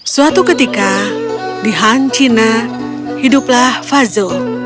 suatu ketika di han china hiduplah fazo